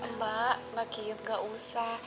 mbak mbak kiyub gak usah